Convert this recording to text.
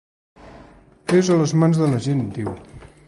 És a les mans de la gent, diu.